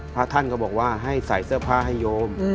พระท่านก็บอกว่าให้ใส่เสื้อผ้าให้โยม